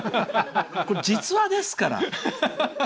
これ、実話ですから。